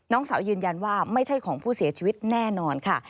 น้องสาวยืนยันว่าไม่ใช่ของผู้เสียชีวิตแน่นอนค่ะ